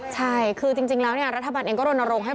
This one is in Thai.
ใช่คือจริงแล้วรัฐบาลเองก็โดนโรงให้